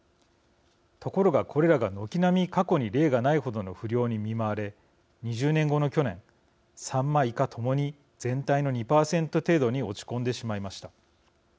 ところが、これらが軒並み過去に例がない程の不漁に見舞われ、２０年後の去年さんま、いか共に全体の２％程度に落ち込んでしまいました。